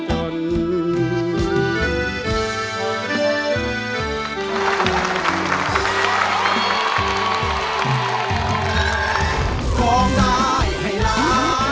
สองร้ายให้ร้าน